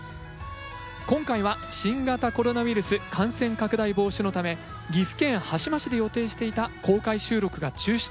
今回は新型コロナウイルス感染拡大防止のため岐阜県羽島市で予定していた公開収録が中止となりました。